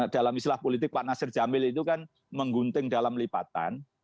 dalam istilah politik pak nasir jamil itu kan menggunting dalam lipatan